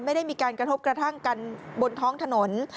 ไม่ได้มีการกระทบกระทั่งกันบนท้องถนน